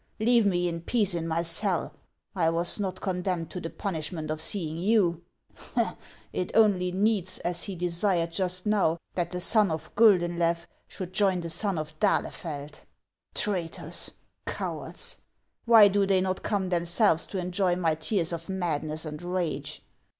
Leave me in peace in my cell ! I was not condemned to the punish ment of seeing you. It only needs, as he desired just now, that the son of Guldenlew should join the son of d'Ahle feld ! Traitors ! cowards ! why do they not come them selves to enjoy my tears of madness and rage